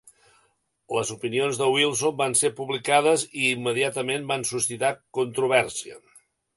Les opinions de Wilson van ser publicades i immediatament van suscitar controvèrsia.